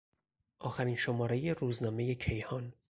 آخرین شمارهی روزنامهی کیهان